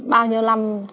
bao nhiêu năm